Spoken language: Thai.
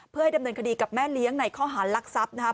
เพื่อให้ดำเนินคดีกับแม่เลี้ยงในข้อหารลักทรัพย์นะครับ